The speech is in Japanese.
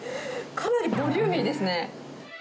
かなりボリューミーですね。